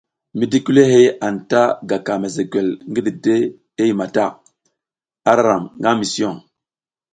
Mi di kulihey anta gaka mesegwel ngi didehey mata, ara ram nga mison.